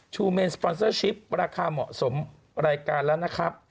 เมนสปอนเซอร์ชิปราคาเหมาะสมรายการแล้วนะครับ